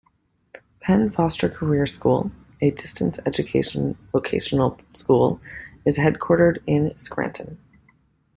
Penn Foster Career School, a distance education vocational school, is headquartered in Scranton.